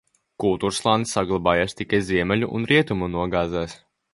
Kultūrslānis saglabājies tikai ziemeļu un rietumu nogāzēs.